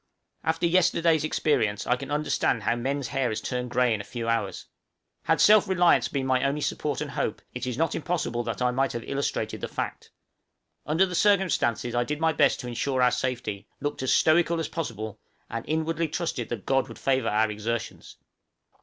After yesterday's experience I can understand how men's hair has turned grey in a few hours. Had self reliance been my only support and hope, it is not impossible that I might have illustrated the fact. Under the circumstances I did my best to insure our safety, looked as stoical as possible, and inwardly trusted that God would favor our exertions.